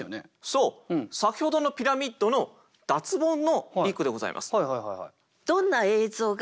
そう先ほどのピラミッドの脱ボンの一句でございます。